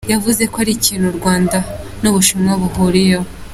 Yavuze ko ari ikintu u Rwanda n’u Bushinwa bihuriyeho.